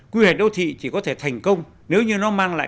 quy hoạch đô thị chỉ có thể thành công nếu như nó mang lại